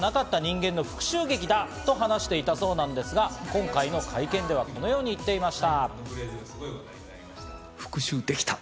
前回出場の時には漫才はいいことがなかった人間の復讐劇だと話していたそうなんですが、今回の会見ではこのように言っていました。